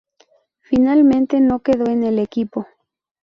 Finalmente no quedó en el equipo.